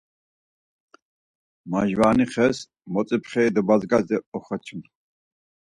Majvara xes motzipxeri dobadzgale okaçun.